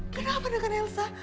kenapa dengan elsa